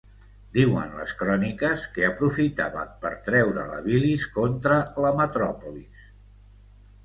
Diuen les cròniques que aprofitaven per treure la bilis contra la metròpolis.